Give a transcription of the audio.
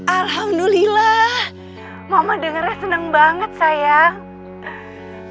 alhamdulillah mama dengarnya senang banget sayang